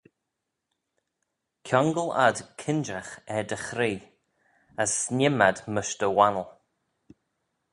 Kiangle ad kinjagh er dty chree, as sniem ad mysh dty wannal.